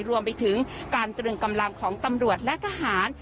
รวมไปถึงการตรึงกำลังของตำรวจและทหาร